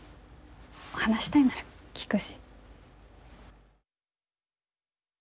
話したいなら聞くし。